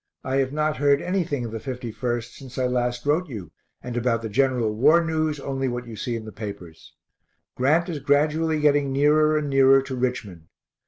I have not heard anything of the 51st since I last wrote you, and about the general war news only what you see in the papers. Grant is gradually getting nearer and nearer to Richmond.